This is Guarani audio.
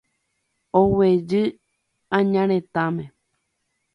Oguejy añaretãme.